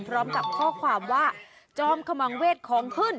พร้อมกับข้อความว่าจอมขมังเวทของขึ้น